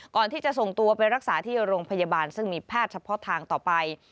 ก่อนที่จะส่งตัวไปรักษาที่โรงพยาบาลซึ่งมีแพทย์เฉพาะทางต่อไป